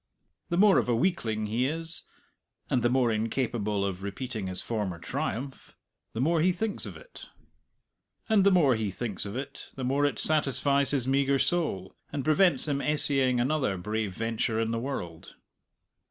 The more of a weakling he is, and the more incapable of repeating his former triumph, the more he thinks of it; and the more he thinks of it the more it satisfies his meagre soul, and prevents him essaying another brave venture in the world.